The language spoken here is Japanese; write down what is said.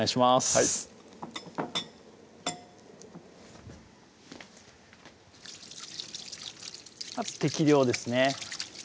はいまず適量ですね